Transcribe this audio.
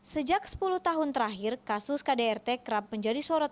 sejak sepuluh tahun terakhir kasus kdrt kerap menjadi sorotan